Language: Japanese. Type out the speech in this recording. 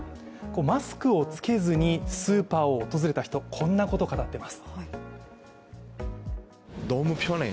マスクを着けずにスーパーを訪れた人、こんなこと語ってます。